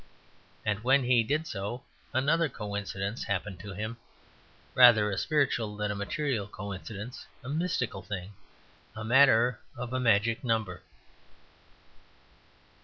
And when he did so another coincidence happened to him: rather a spiritual than a material coincidence; a mystical thing, a matter of a magic number.